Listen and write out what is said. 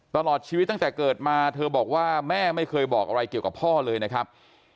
ตลอดชีวิตตั้งแต่เกิดมาเธอบอกว่าแม่ไม่เคยบอกอะไรเกี่ยวกับพ่อเลยนะครับ